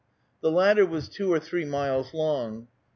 The latter was two or three miles long.